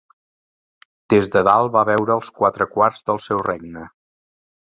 Des de dalt, va veure els quatre quarts del seu regne.